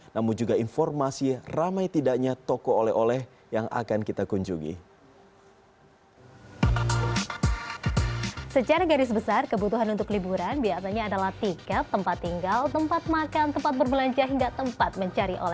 namun juga informasi ramai tidaknya toko oleh oleh yang akan kita kunjungi